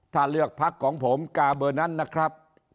ถ้าเลือกพักของผมกาเบอร์นั้นนะครับ